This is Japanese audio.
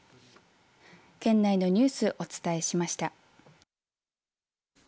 県内のニュースお伝えしました。